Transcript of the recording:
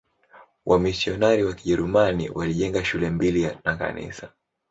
Wamisionari wa Kijerumani walijenga shule mbili na kanisa.